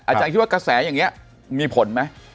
อาจารย์คิดว่ากระแสอย่างนี้มีผลไหม